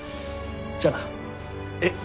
じゃあな。えっ？